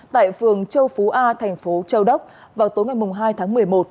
tại phường châu phú a thành phố châu đốc vào tối ngày hai tháng một mươi một